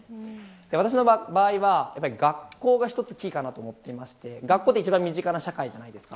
私の場合は、学校が一つキーかなと思っていて学校は一番身近な社会じゃないですか。